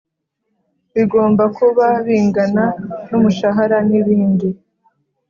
bigomba kuba bingana n’umushahara n’ibindi